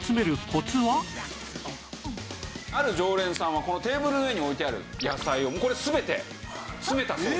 ある常連さんはこのテーブルの上に置いてある野菜をこれ全て詰めたそうです